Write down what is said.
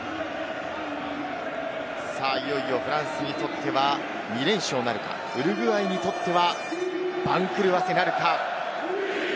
いよいよフランスにとっては２連勝なるか、ウルグアイにとっては番狂わせなるか。